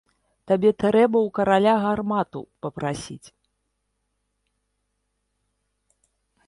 Табе трэба ў караля гармату папрасіць!